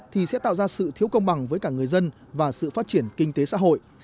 thì sẽ tạo ra sự thiếu công bằng với cả người dân và sự phát triển kinh tế xã hội